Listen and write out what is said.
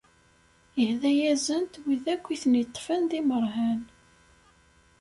Ihda-asen-d wid akk i ten-iṭṭfen d imeṛhan.